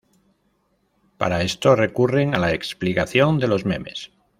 Para esto, recurren a la explicación de los memes.